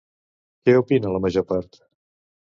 Què opina la major part?